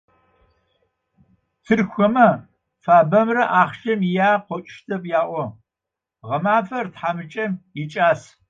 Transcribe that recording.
Тыркухэмэ фабэмрэ ахщэм иягъэ къыокӏущтэп яӏо. Гъэмафэр тхьэмыкӏэм икӏас.